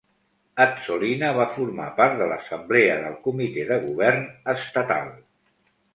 Azzolina va formar part de l'Assemblea del Comitè de Govern estatal.